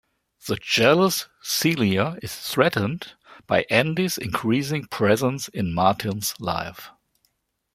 The jealous Celia is threatened by Andy's increasing presence in Martin's life.